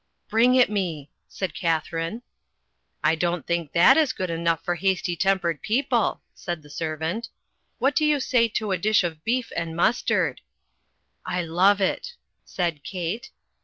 "Bring it me," said Katharine. "I don't think that is good for hasty tempered people," said the servant. "What do you say to a dish of beef and mustard?" "I love it," said Kate.